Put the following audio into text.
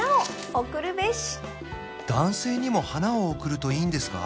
男性にも花を贈るといいんですか？